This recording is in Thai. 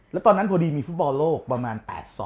แล้วตอนนั้นพอดีมีฟุตบอลโลกประมาณ๘๒